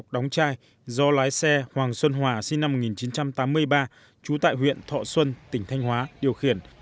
đóng chai do lái xe hoàng xuân hòa sinh năm một nghìn chín trăm tám mươi ba trú tại huyện thọ xuân tỉnh thanh hóa điều khiển